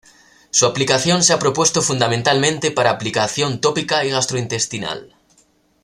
Su aplicación se ha propuesto fundamentalmente para aplicación tópica y gastrointestinal.